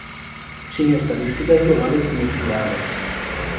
Sin estadísticas globales ni fiables.